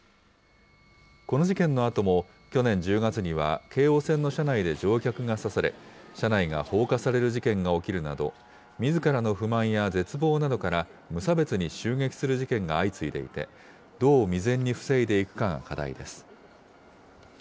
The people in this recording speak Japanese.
この事件のあとも、去年１０月には、京王線の車内で乗客が刺され、車内が放火される事件が起きるなど、みずからの不満や絶望などから、無差別に襲撃する事件が相次いでいて、どう未然に防いでいくかが課題です。